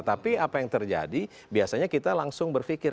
tapi apa yang terjadi biasanya kita langsung berpikir